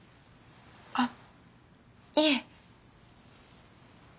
あっいえ。